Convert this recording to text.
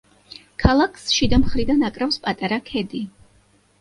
ქალაქს შიდა მხრიდან აკრავს პატარა ქედი.